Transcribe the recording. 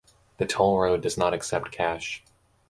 The toll road does not accept cash.